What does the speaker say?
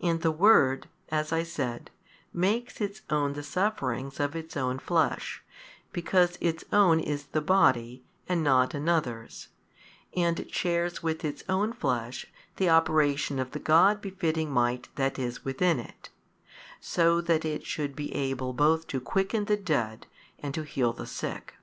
And the Word (as I said) makes its own the sufferings of Its own Flesh, because Its own is the Body and not another's: and It shares with Its own Flesh the operation of the God befitting might that is within It; so that it should be able both to quicken the dead and to heal the sick.